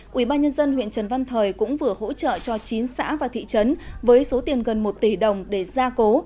quỹ ba nhân dân huyện trần văn thời cũng vừa hỗ trợ cho chín xã và thị trấn với số tiền gần một tỷ đồng để gia cố